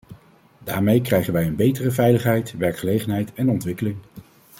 Daarmee krijgen wij een betere veiligheid, werkgelegenheid en ontwikkeling.